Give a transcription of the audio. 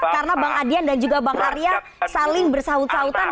karena bang adian dan juga bang arya saling bersaut sautan